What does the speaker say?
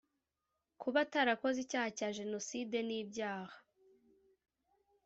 Kuba atarakoze icyaha cya genocide n ibyaha